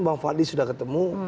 mbak fadli sudah ketemu